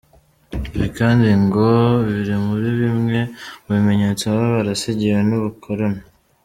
Ibi kandi ngo biri muri bimwe mu bimenyetso baba barasigiwe n’ubukoroni.